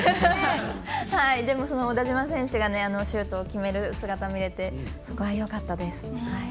でも、小田島選手がシュートを決める姿を見れてそこはよかったです。